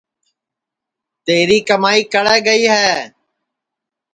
تیری کُمائی کڑے گئی ہے